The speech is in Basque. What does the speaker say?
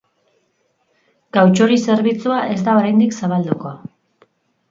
Gautxori zerbitzua ez da oraindik zabalduko.